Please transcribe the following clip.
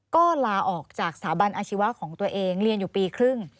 ก็ลาออกจากสถาบันอาชีวะของตัวเองเรียนอยู่ปีครึ่ง